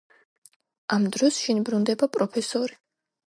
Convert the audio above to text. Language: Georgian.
ამ დროს შინ ბრუნდება პროფესორი.